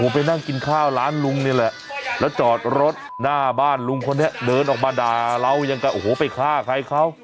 ไปนั่งกินข้าวร้านลุงนี่แหละแล้วจอดรถหน้าบ้านลุงคนนี้เดินออกมาด่าเรายังกับโอ้โหไปฆ่าใครเขา